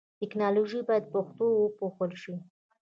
ټکنالوژي باید په پښتو وپوهول شي.